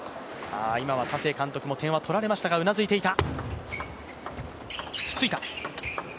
今は田勢監督も、点は取られていたがうなずいていた。